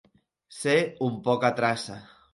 Ser un pocatraça.